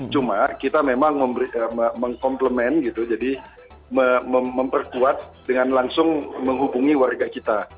cuma kita memang mengkomplemen gitu jadi memperkuat dengan langsung menghubungi warga kita